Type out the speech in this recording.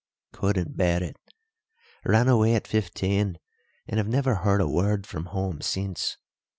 Couldn't bear it; ran away at fifteen, and have never heard a word from home since.